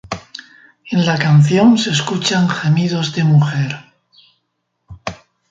En la canción se escuchan gemidos de mujer.